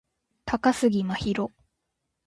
高杉真宙